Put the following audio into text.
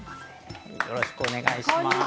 よろしくお願いします。